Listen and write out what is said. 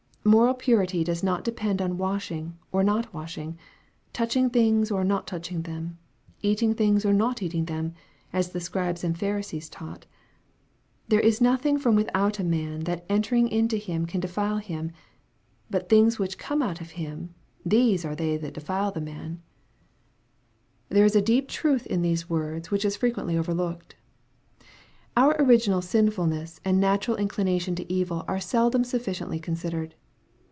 Moral purity does not depend on washing or not washing touching things or not touching them eating things or not eating them, as the Scribes and Pharisees taught, " There is nothing from without a man, that entering into him can defile him : but the things which come out of him, these are they that defile the man." 142 EXPOSITORY THOUGHTS. There is a deep truth in these words which is fre quently overlooked. Our original sinfulness and nalural inclination to evil are seldom sufficiently considered.